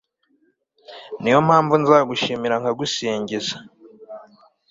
ni yo mpamvu nzagushimira nkagusingiza